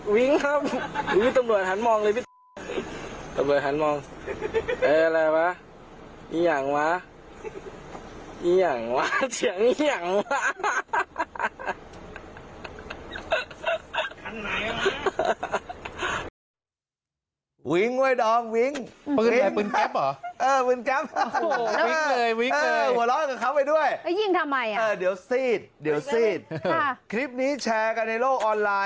วิ้งครับอุ้ยตำรวจหันมองเลยตำรวจหันมองอะไรวะอีอย่างวะอีอย่างวะเฉียงอีอย่างวะ